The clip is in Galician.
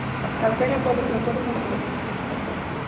Calquera pode propor unha saída.